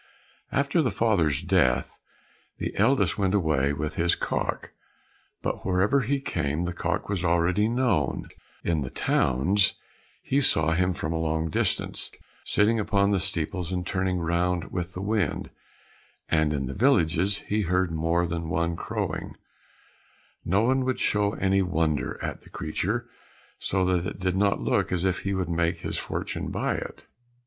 After the father's death the eldest went away with his cock, but wherever he came the cock was already known; in the towns he saw him from a long distance, sitting upon the steeples and turning round with the wind, and in the villages he heard more than one crowing; no one would show any wonder at the creature, so that it did not look as if he would make his fortune by it.